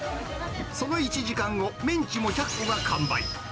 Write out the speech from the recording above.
その１時間後、メンチも１００個が完売。